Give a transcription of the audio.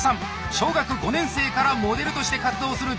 小学５年生からモデルとして活動する１３歳。